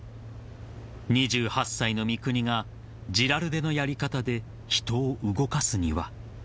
［２８歳の三國がジラルデのやり方で人を動かすには］